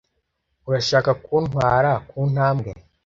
urashaka kuntwara kuntambwe?